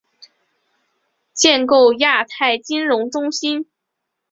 建构亚太金融中心